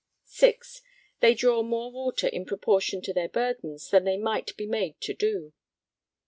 (6) They draw more water in proportion to their burdens than they might be made to do.